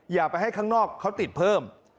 อย่าไปให้ข้างนอกเขาติดเพิ่ม